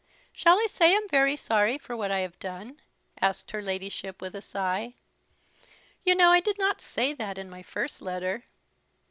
"Shall I say I'm very sorry for what I have done?" asked her Ladyship, with a sigh. "You know I did not say that in my first letter."